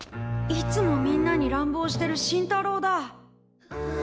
いつもみんなに乱暴してる新太郎だ。